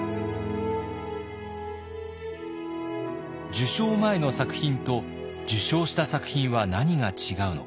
受賞前の作品と受賞した作品は何が違うのか。